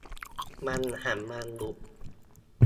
มันหันมาดุ